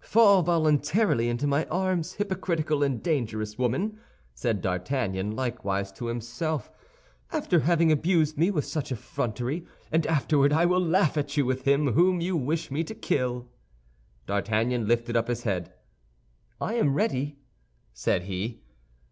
"Fall voluntarily into my arms, hypocritical and dangerous woman," said D'Artagnan, likewise to himself, "after having abused me with such effrontery, and afterward I will laugh at you with him whom you wish me to kill." D'Artagnan lifted up his head. "I am ready," said he.